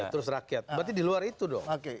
terus rakyat berarti di luar itu dong